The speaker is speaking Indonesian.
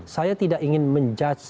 saya tidak ingin menjudge